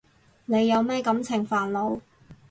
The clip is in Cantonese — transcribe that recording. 你有咩感情煩惱？